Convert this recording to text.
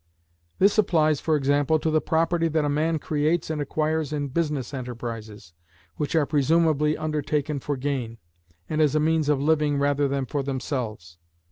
This applies, for example, to the property that a man creates and acquires in business enterprises, which are presumably undertaken for gain, and as a means of living rather than for themselves.